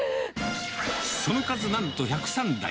その数なんと１０３台。